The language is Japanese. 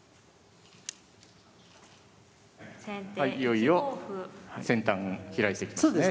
はいいよいよ先端開いてきましたね。